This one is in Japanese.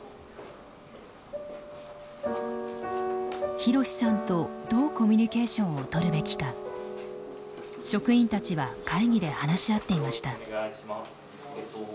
ひろしさんとどうコミュニケーションをとるべきか職員たちは会議で話し合っていました。